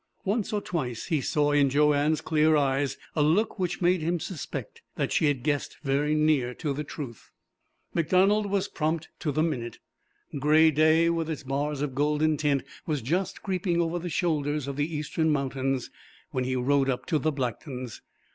Once or twice he saw in Joanne's clear eyes a look which made him suspect that she had guessed very near to the truth. MacDonald was prompt to the minute. Gray day, with its bars of golden tint, was just creeping over the shoulders of the eastern mountains when he rode up to the Blacktons'.